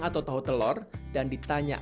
atau tahu telur dan ditanya